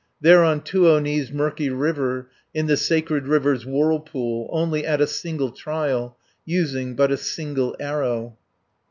There on Tuoni's murky river, In the sacred river's whirlpool, 380 Only at a single trial, Using but a single arrow."